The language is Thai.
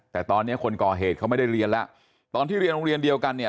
แต่ตอนนี้คนก่อเหตุเขาไม่ได้เรียนแล้วตอนที่เรียนโรงเรียนเดียวกันเนี่ย